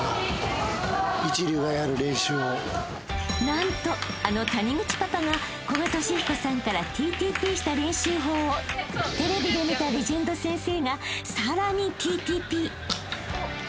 ［何とあの谷口パパが古賀稔彦さんからＴＴＰした練習法をテレビで見たレジェンド先生がさらにＴＴＰ］